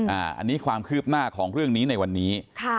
อันนี้ความคืบหน้าของเรื่องนี้ในวันนี้